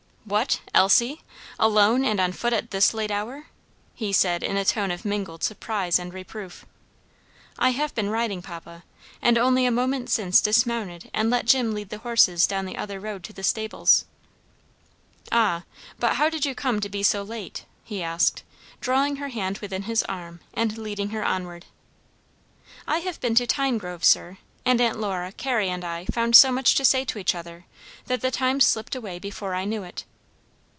"What, Elsie! alone and on foot at this late hour?" he said in a tone of mingled surprise and reproof. "I have been riding, papa, and only a moment since dismounted and let Jim lead the horses down the other road to the stables." "Ah, but how did you come to be so late?" he asked, drawing her hand within his arm and leading her onward. "I have been to Tinegrove, sir, and Aunt Lora, Carrie, and I found so much to say to each other, that the time slipped away before I knew it."